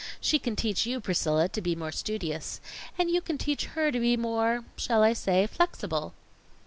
She can teach you, Priscilla, to be more studious, and you can teach her to be more, shall I say, flexible?"